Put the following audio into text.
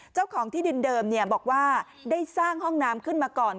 เจ้าของที่ดินเดิมบอกว่าได้สร้างห้องน้ำขึ้นมาก่อน